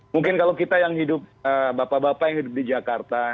mungkin kalau kita yang hidup bapak bapak yang hidup di jakarta